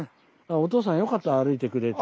おとうさんよかった歩いてくれてて。